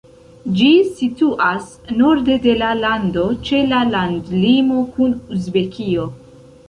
Ĝi situas norde de la lando, ĉe la landlimo kun Uzbekio.